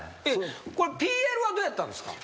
これＰＬはどうやったんすか？